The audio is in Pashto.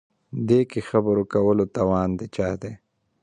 دې کې خبره کول توان د چا دی.